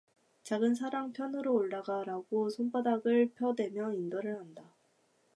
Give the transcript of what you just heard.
작은사랑 편으로 올라가라고 손바닥을 펴대며 인도를 한다.